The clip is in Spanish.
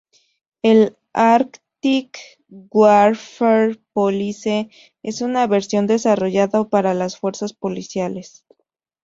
El Arctic Warfare Police es una versión desarrollada para las fuerzas policiales.